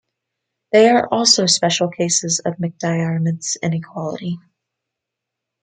They are also special cases of McDiarmid's inequality.